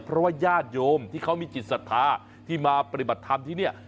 เพราะว่าญาติโยมที่เขามีจิตศรัทธาที่มาปฏิบัติธรรมที่นี่